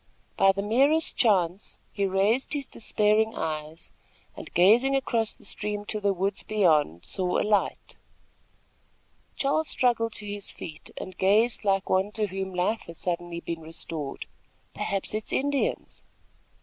By the merest chance, he raised his despairing eyes and, gazing across the stream to the woods beyond, saw a light. Charles struggled to his feet and gazed like one to whom life has suddenly been restored. "Perhaps it is Indians!"